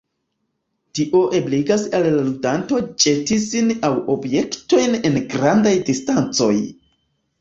Tio ebligas al la ludanto ĵeti sin aŭ objektojn en grandaj distancoj.